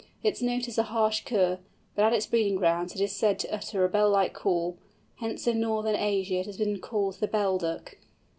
Its note is a harsh kurr, but at its breeding grounds it is said to utter a bell like call, hence in Northern Asia it has been called the "Bell Duck."